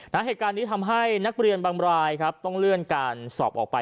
เหตุการณ์นี้ทำให้นักเรียนบางรายครับต้องเลื่อนการสอบออกไป